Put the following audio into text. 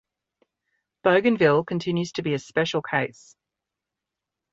Bougainville continues to be a special case.